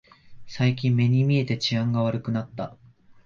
最近目に見えて治安が悪くなった